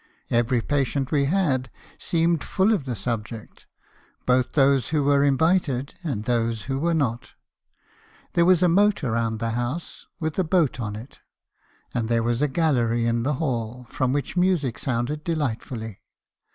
Every patient we had seemed full of the subject; both those who were invited and tho§e who were not. There was a moat round the house, with a boat on it ; and there was a gallery in the hall , from which music sounded delightfully.